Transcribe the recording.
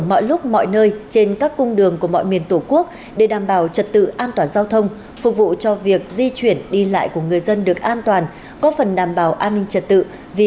mọi lúc mọi nơi trên các cung đường của mọi miền thống các cán bộ chiến sĩ mang quân phục màu sắc nắng có mặt ở mọi lúc mọi nơi trên các cung đường của mọi miền thống